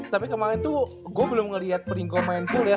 tapi kemarin tuh gue belum ngeliat pringgo main full ya